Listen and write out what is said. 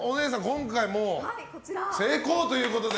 今回、成功ということで。